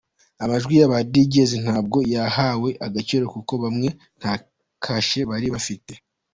Amajwi y’aba Djs ntabwo yahawe agaciro kuko bamwe nta kashe bari bafite….